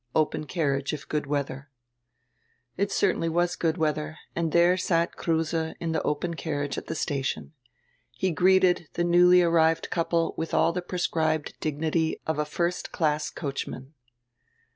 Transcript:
Open car riage, if good weadier." It certainly was good weadier, and diere sat Kruse in die open carriage at die station. He greeted die newly arrived couple with all die prescribed dignity of a first class coachman.